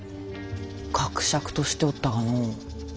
かくしゃくとしておったがのぅ。